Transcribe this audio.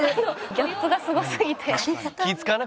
ギャップがすごすぎて。